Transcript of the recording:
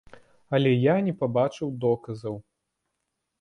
Але я не пабачыў доказаў.